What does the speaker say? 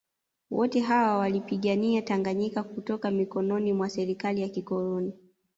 Wote hawa waliipigania Tanganyika kutoka mikononi mwa serikali ya kikoloni